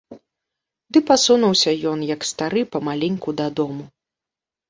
Ды пасунуўся ён, як стары, памаленьку дадому.